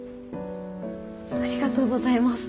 ありがとうございます。